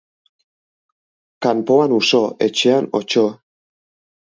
Kanpoan uso, etxean otso